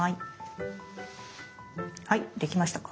はいできましたか？